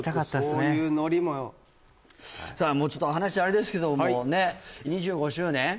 そういうノリもさあちょっと話あれですけどもね２５周年？